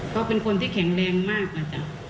เขาเป็นคนที่แข็งแรงมากนะจ๊ะ